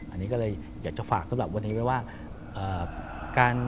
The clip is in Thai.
อันนี้ก็เลยอยากจะฝากสำหรับวันนี้ไว้ว่า